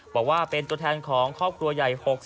บอกว่าเป็นตัวแทนของครอบครัวใหญ่๖๐